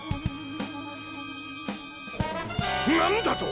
何だと！